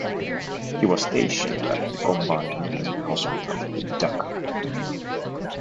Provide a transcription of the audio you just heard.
He was stationed at the Combined Military Hospital in Dhaka.